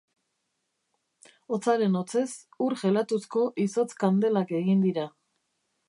Hotzaren hotzez ur jelatuzko izotz kandelak egin dira.